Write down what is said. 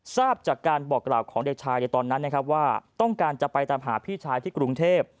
ทราบจากการบอกกล่าวของเด็กชายในตอนนั้นนะครับว่าต้องการจะไปตามหาพี่ชายที่กรุงเทพ